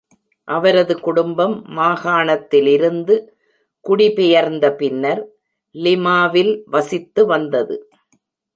அவரது குடும்பம் மாகாணத்திலிருந்து குடிபெயர்ந்த பின்னர் லிமாவில் வசித்து வந்தது.